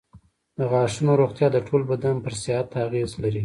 د غاښونو روغتیا د ټول بدن پر صحت اغېز لري.